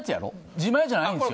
自前じゃないんですよ